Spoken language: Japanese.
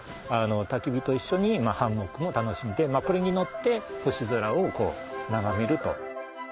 たき火と一緒にハンモックも楽しんでこれに乗って星空を眺めると。